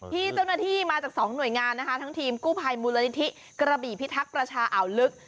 ที่เจ้าหน้าที่มาจากสองหน่วยงานนะคะทั้งทีมกู้ภัยมูลนิธิกระบี่พิทักษ์ประชาอ่าวลึก